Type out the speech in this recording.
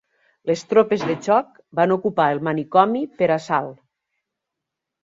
Les tropes de xoc van ocupar el manicomi per assalt